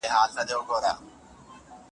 په نامه د شیرنۍ حرام نه خورمه